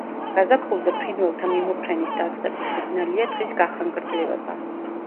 გაზაფხულზე ფრინველთა მიმოფრენის დაწყების სიგნალია დღის გახანგრძლივება.